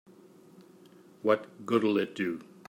What good'll it do?